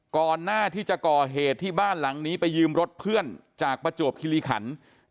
ก่อนหน้าที่จะก่อเหตุที่บ้านหลังนี้ไปยืมรถเพื่อนจากประจวบคิริขัน